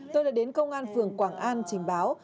tôi đã đến công an phường quảng an trình báo